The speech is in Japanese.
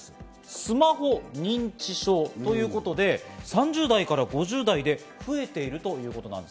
スマホ認知症ということで、３０代５０代で増えているということなんです。